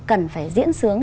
cần phải diễn sướng